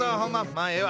まあええわ。